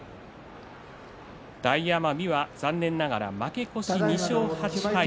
大奄美は残念ながら負け越し２勝８敗。